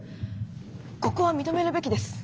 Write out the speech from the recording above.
ここは認めるべきです。